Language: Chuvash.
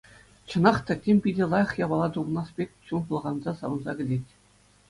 Чӑнах та, тем питӗ лайӑх япала тупӑнас пек чун пӑлханса савӑнса кӗтет.